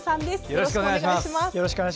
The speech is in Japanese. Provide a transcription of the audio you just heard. よろしくお願いします。